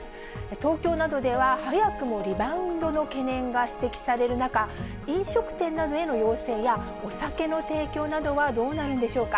東京などでは早くもリバウンドの懸念が指摘される中、飲食店などへの要請や、お酒の提供などはどうなるんでしょうか。